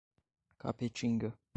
Capetinga